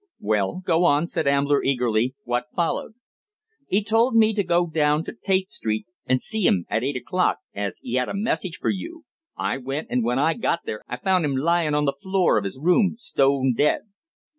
"Well, go on," said Ambler, eagerly. "What followed?" "'E told me to go down to Tait Street and see 'im at eight o'clock, as 'e had a message for you. I went, and when I got there I found 'im lying on the floor of his room stone dead."